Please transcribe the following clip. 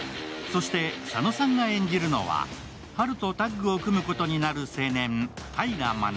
そし、佐野さんが演じるのは、陽とタッグを組むことになる青年、平学。